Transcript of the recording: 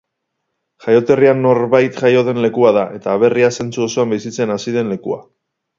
Jaioterria norbait jaio den lekua da, eta aberria zentzu osoan bizitzen hasi den lekua.